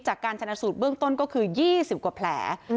จากการชนะสูตรเบื้องต้นก็คือ๒๐กว่าแผล